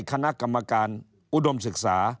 คณะกรรมการอุดมศึกษา